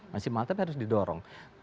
masih mahal tapi harus didorong